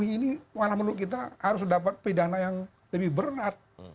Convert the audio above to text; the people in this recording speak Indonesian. ini malah menurut kita harus dapat pidana yang lebih berat